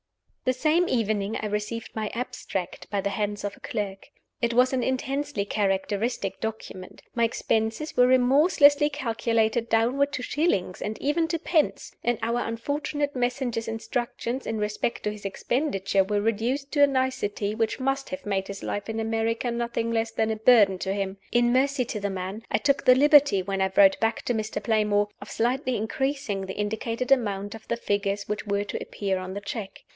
The same evening I received my "abstract" by the hands of a clerk. It was an intensely characteristic document. My expenses were remorselessly calculated downward to shillings and even to pence; and our unfortunate messenger's instructions in respect to his expenditure were reduced to a nicety which must have made his life in America nothing less than a burden to him. In mercy to the man, I took the liberty, when I wrote back to Mr. Playmore, of slightly increasing the indicated amount of the figures which were to appear on the check.